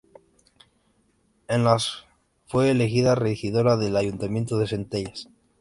En las fue elegida regidora del ayuntamiento de Centellas.